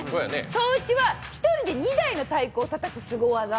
双打は１人で２台の太鼓をたたくすご技。